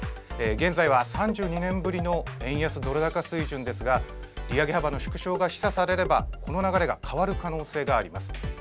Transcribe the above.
現在は３２年ぶりの円安ドル高水準ですが利上げ幅の縮小が示唆されればこの流れが変わる可能性があります。